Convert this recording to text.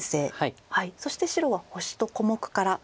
そして白は星と小目から。